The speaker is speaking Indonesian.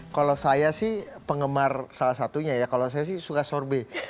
kalau saya sih penggemar salah satunya ya kalau saya sih suka sorbet